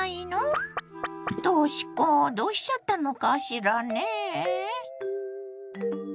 とし子どうしちゃったのかしらねえ？